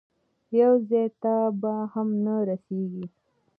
یو ځای ته به هم نه رسېږي.